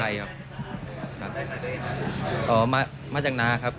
หรือมาจากนาครับ